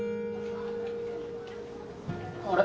あれ？